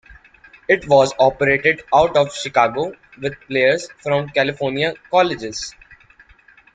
It was operated out of Chicago with players from California colleges.